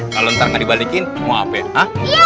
kalau ntar gak dibalikin mau apa ya